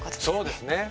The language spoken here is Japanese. そうですね。